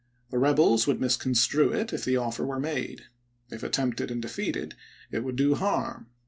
The rebels would misconstrue it if the offer were ms. made. If attempted and defeated it would do harm.